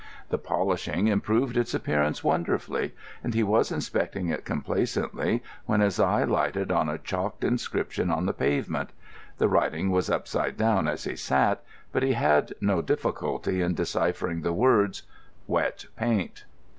The polishing improved its appearance wonderfully, and he was inspecting it complacently when his eye lighted on a chalked inscription on the pavement. The writing was upside down as he sat, but he had no difficulty in deciphering the words "Wet paint."